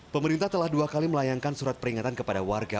pemerintah telah dua kali melayangkan surat peringatan kepada warga